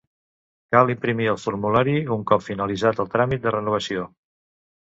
Cal imprimir el formulari un cop finalitzat el tràmit de renovació.